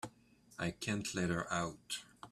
I can't let her out.